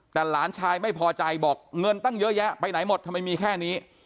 แต่หลานชายไม่พอใจบอกเงินตั้งเยอะแยะไปไหนหมดทำไมมีแค่นี้